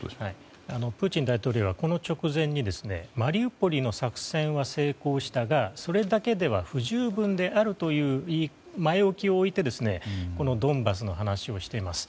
プーチン大統領はこの直前にマリウポリの作戦は成功したがそれだけでは不十分であるという前置きを置いてこのドンバスの話をしています。